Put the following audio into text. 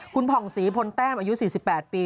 คุณผ่องศรีพลแต้มอายุ๔๘ปี